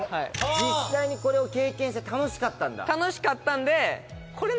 実際にこれを経験して楽しかったんだ？